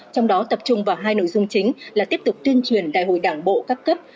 trong đó tập trung vào hai nội dung chính là tiếp tục tuyên truyền đại hội đảng bộ các cấp